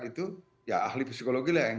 itu ya ahli psikologi lah yang